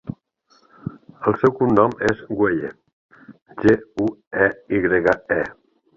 El seu cognom és Gueye: ge, u, e, i grega, e.